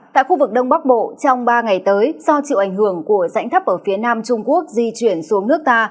tại khu vực đông bắc bộ trong ba ngày tới do chịu ảnh hưởng của rãnh thấp ở phía nam trung quốc di chuyển xuống nước ta